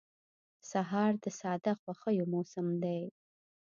سهار د ساده خوښیو موسم دی.